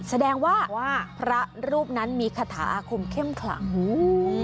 แสดงว่าว่าพระรูปนั้นมีคาถาอาคมเข้มขลังอืม